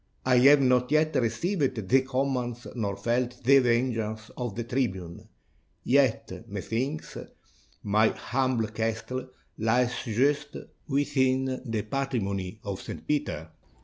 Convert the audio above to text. I have not yet received the commands nor felt the venge ance of the tribune; yet, methinks, my humble castle lies just within the patrimony of St. Peter."